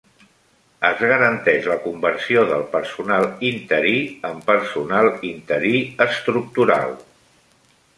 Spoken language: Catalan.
Es garanteix la conversió del personal interí en personal interí estructural.